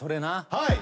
はい。